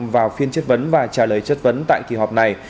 vào phiên chất vấn và trả lời chất vấn tại kỳ họp này